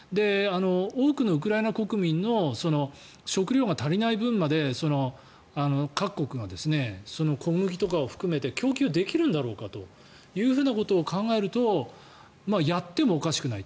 多くのウクライナ国民の食糧が足りない分まで各国が小麦とかを含めて供給できるのかということを考えるとやってもおかしくない。